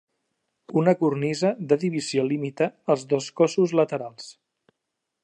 Una cornisa de divisió limita els dos cossos laterals.